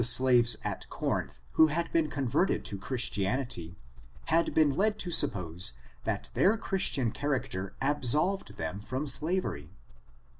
297 slaves at Corinth, who had been converted to Christ ianity, had been led to suppose that their Christian character absolved them from slavery.